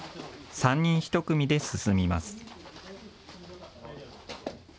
３人一組で進みます。